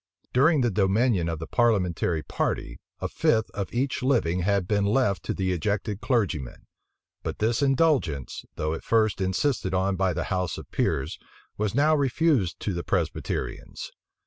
During the dominion of the parliamentary party, a fifth of each living had been left to the ejected clergyman; but this indulgence, though at first insisted on by the house of peers, was now refused to the Presbyterians.